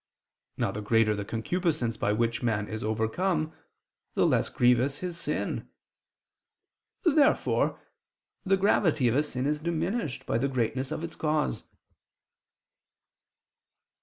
Now the greater the concupiscence by which man is overcome, the less grievous his sin. Therefore the gravity of a sin is diminished by the greatness of its cause.